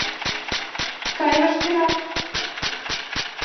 Кай вашкерак!